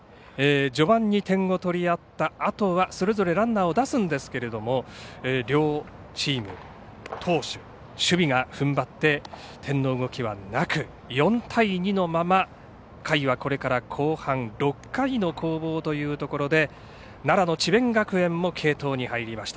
序盤に点を取り合ったあとは、それぞれランナーを出すんですが両チーム投手、守備がふんばって点の動きはなく４対２のまま回はこれから後半６回の攻防というところで奈良の智弁学園も継投に入りました。